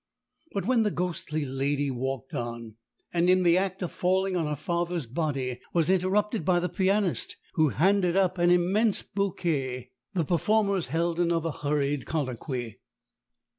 But when the ghostly lady walked on, and in the act of falling on her father's body was interrupted by the pianist, who handed up an immense bouquet, the performers held another hurried colloquy.